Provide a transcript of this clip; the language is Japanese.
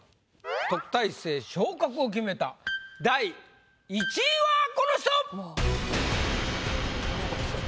特待生昇格を決めた第１位はこの人！